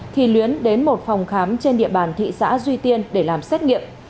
thì luyến đến một phòng khám trên địa bàn thị xã duy tiên để làm xét nghiệm